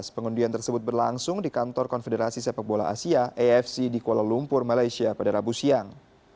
pengundian tersebut berlangsung di kantor konfederasi sepak bola asia afc di kuala lumpur malaysia pada rabu siang